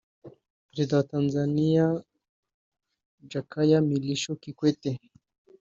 Perezida wa Tanzania Jakaya Mrisho Kikwete